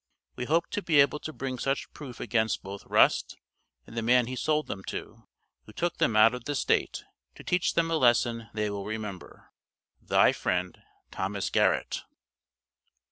We hope to be able to bring such proof against both Rust and the man he sold them to, who took them out of the State, to teach them a lesson they will remember. Thy friend, THOS. GARRETT.